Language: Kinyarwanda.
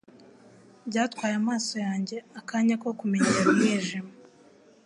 Byatwaye amaso yanjye akanya ko kumenyera umwijima.